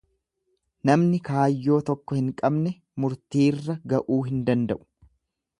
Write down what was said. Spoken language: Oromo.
Namni kaayyoo tokko hin qabne murtiirra ga'uu hin danda'u.